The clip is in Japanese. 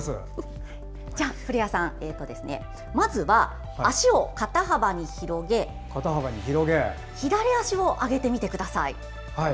まずは足を肩幅に広げ左足を上げてみてください。